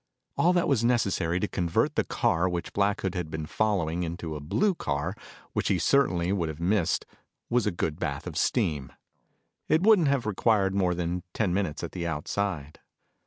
All that was necessary to convert the car which Black Hood had been following into a blue car which he certainly would have missed was a good bath of steam. It wouldn't have required more than ten minutes at the outside.